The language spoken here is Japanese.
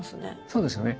そうですよね。